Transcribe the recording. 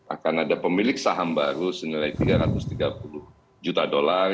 akan ada pemilik saham baru senilai tiga ratus tiga puluh juta dolar